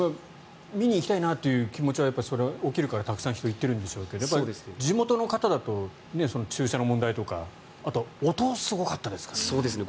見に行きたいなという気持ちはそれは起きるからたくさん人が行ってるんでしょうけど地元の方だと駐車の問題とかあと、音がすごかったですね。